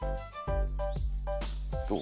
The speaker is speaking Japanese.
どう？